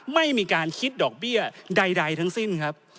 ไม่มีการคิดดอกเบี้ยใดทั้งสิ้นครับ